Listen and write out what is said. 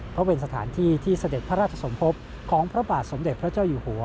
เพราะเป็นสถานที่ที่เสด็จพระราชสมภพของพระบาทสมเด็จพระเจ้าอยู่หัว